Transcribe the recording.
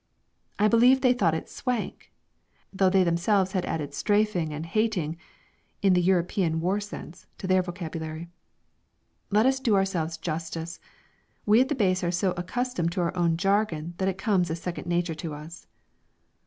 I believe they thought it "swank," though they themselves had added "strafing" and "hating" (in the European war sense) to their vocabulary. Let us do ourselves justice! We at the Base are so accustomed to our own "jargon" that it comes as second nature to us.